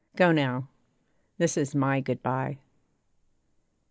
Go now! this is my good bye.